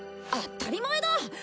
あったり前だ！